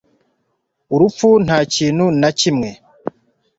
urupfu ntakintu na kimwe